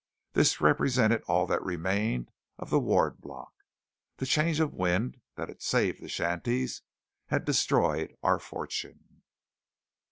This represented all that remained of the Ward Block. The change of wind that had saved the shanties had destroyed our fortune!